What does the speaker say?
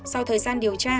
sau thời gian điều tra